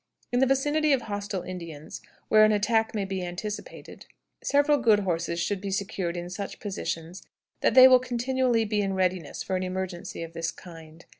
In the vicinity of hostile Indians, where an attack may be anticipated, several good horses should be secured in such positions that they will continually be in readiness for an emergency of this kind.